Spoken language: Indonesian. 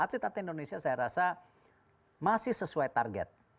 atlet atlet indonesia saya rasa masih sesuai target